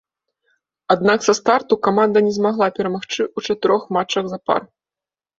Аднак са старту каманда не змагла перамагчы ў чатырох матчах запар.